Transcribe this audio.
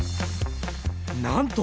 なんと！